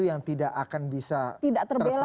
itu yang tidak akan bisa terperjuangkan